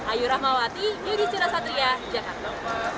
ayu rahmawati yudi cirasatria jakarta